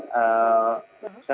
dari suatu hal